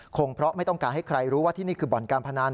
คงเพราะไม่ต้องการให้ใครรู้ว่าที่นี่คือบ่อนการพนัน